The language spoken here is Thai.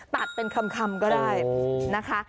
ตัดเป็นคำก็ได้นะคะ